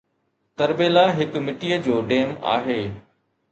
تربيلا هڪ مٽيءَ جو ڊيم آهي